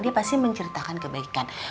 dia pasti menceritakan kebaikan